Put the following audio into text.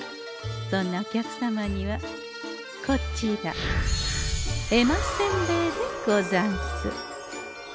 そんなお客様にはこちら「絵馬せんべい」でござんす。